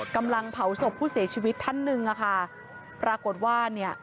กำลังเผาศพผู้เสียชีวิตท่านหนึ่งอะค่ะปรากฏว่าเนี่ย